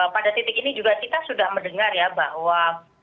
pada titik ini juga kita sudah mendengar ya bahwa